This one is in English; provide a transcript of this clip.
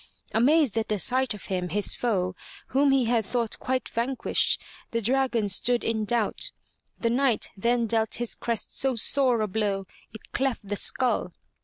Amazed at sight of him, his foe, whom he had thought quite vanquished, the dragon stood in doubt. The Knight then dealt his crest so sore a blow it cleft the skull.